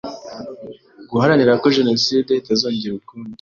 guharanira ko Jenoside itazongera ukundi.